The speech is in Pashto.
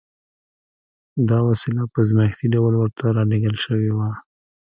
دا وسيله په ازمايښتي ډول ورته را لېږل شوې وه.